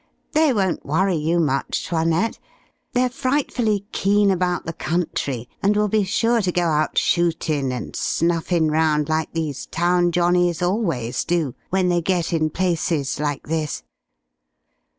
They won't worry you much, 'Toinette. They're frightfully keen about the country, and will be sure to go out shootin' and snuffin' round like these town johnnies always do when they get in places like this....